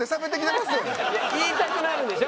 言いたくなるんでしょ？